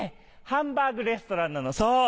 ハンバーグレストランなのそう。